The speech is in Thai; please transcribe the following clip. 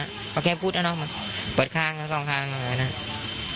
อ่ะก็แค่พูดอ่ะน่ะเปิดทางแล้วต้องทางอะไรน่ะอ่ะอ่ะ